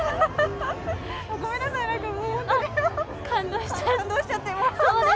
ごめんなさい、感動しちゃって。